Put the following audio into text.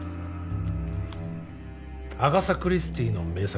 アガサ・クリスティーの名作